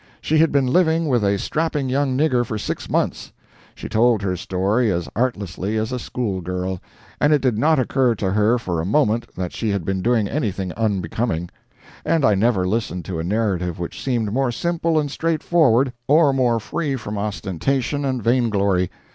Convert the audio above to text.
She had been living with a strapping young nigger for six months! She told her story as artlessly as a school girl, and it did not occur to her for a moment that she had been doing anything unbecoming; and I never listened to a narrative which seemed more simple and straightforward, or more free from ostentation and vain glory.